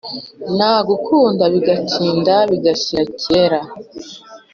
Nagukunda bigatinda bigashyira kera